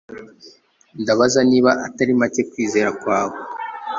Ndabaza niba atari makekwizera kwawe